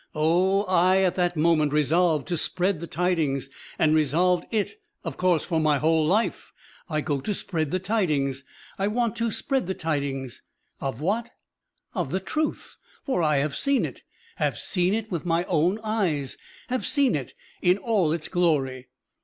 Oh, I at that moment resolved to spread the tidings, and resolved it, of course, for my whole life. I go to spread the tidings, I want to spread the tidings of what? Of the truth, for I have seen it, have seen it with my own eyes, have seen it in all its glory.